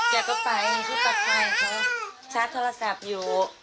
แก็ก็ไปหูปลัดไฟเค้าชาร์จโทรศัพท์อยู่